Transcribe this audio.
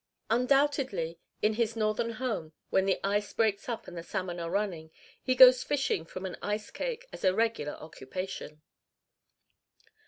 Undoubtedly, in his northern home, when the ice breaks up and the salmon are running, he goes fishing from an ice cake as a regular occupation.